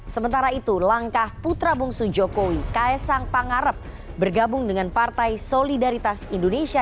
sementara itu langkah putra bungsu jokowi kaesang pangarep bergabung dengan partai solidaritas indonesia